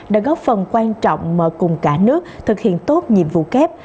đã góp phần quan trọng mở cùng cả nước thực hiện tốt nhiệm vụ kép